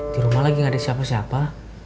di rumah lagi gak ada siapa siapa